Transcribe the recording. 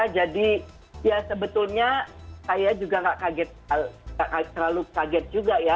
jadi ya sebetulnya saya juga nggak terlalu kaget juga ya